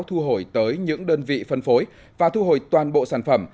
thu hồi tới những đơn vị phân phối và thu hồi toàn bộ sản phẩm